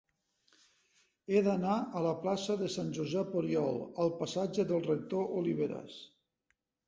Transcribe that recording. He d'anar de la plaça de Sant Josep Oriol al passatge del Rector Oliveras.